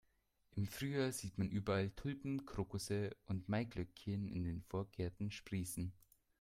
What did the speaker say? Im Frühjahr sieht man überall Tulpen, Krokusse und Maiglöckchen in den Vorgärten sprießen.